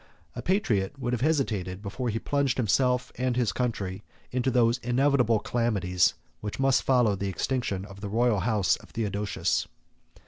A patriot would have hesitated before he plunged himself and his country into those inevitable calamities which must follow the extinction of the royal house of Theodosius.